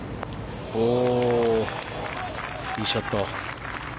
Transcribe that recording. おお、いいショット。